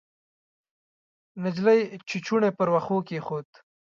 نجلۍ چوچوڼی پر وښو کېښود.